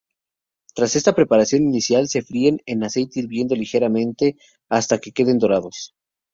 Tras esta preparación inicial se fríen en aceite hirviendo ligeramente hasta que queden dorados.